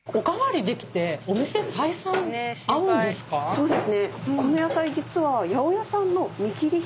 そうです。